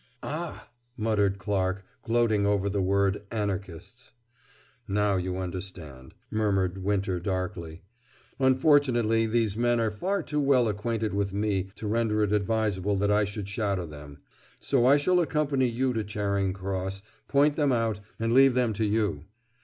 "Ah!" muttered Clarke, gloating over the word "Anarchists." "Now you understand," murmured Winter darkly. "Unfortunately these men are far too well acquainted with me to render it advisable that I should shadow them. So I shall accompany you to Charing Cross, point them out, and leave them to you.